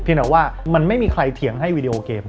แต่ว่ามันไม่มีใครเถียงให้วีดีโอเกม